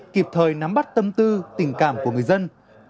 kịp thời nắm bắt tâm tư tình cảm của người dân